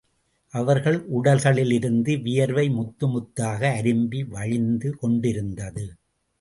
அவர்கள் உடல்களிலிருந்து வியர்வை முத்து முத்தாக அரும்பி வழிந்து கொண்டிருந்தது.